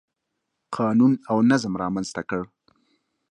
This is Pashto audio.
قانون او نظم رامنځته کړ.